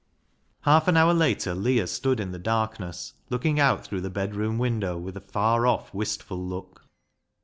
Half an hour later Leah stood in the darkness, lookincf out throusfh the bedroom window with 46 BECKSIDE LIGHTS a far off wistful look.